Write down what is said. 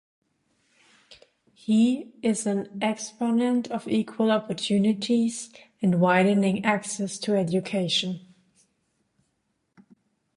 He is an exponent of equal opportunities and widening access to education.